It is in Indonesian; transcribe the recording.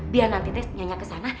biar nanti teh nyanya kesana